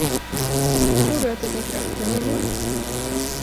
Tror du att jag tänker öppna mig nu?